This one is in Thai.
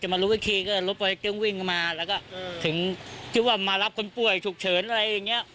มารู้อีกทีก็รถไฟเกิ้งวิ่งมาแล้วก็ถึงที่ว่ามารับคนป่วยฉุกเฉินอะไรอย่างนี้